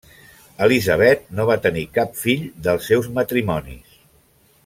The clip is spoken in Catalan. Elizabeth no va tenir cap fill dels seus matrimonis.